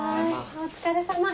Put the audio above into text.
お疲れさま。